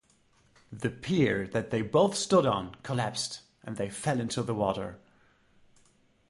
The pier that they both stood on collapsed and they fell into the water.